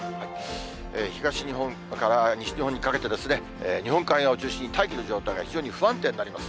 東日本から西日本にかけて、日本海側を中心に大気の状態が非常に不安定になります。